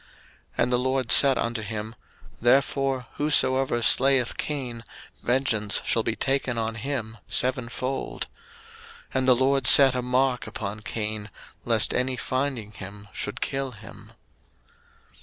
01:004:015 And the LORD said unto him, Therefore whosoever slayeth Cain, vengeance shall be taken on him sevenfold. And the LORD set a mark upon Cain, lest any finding him should kill him.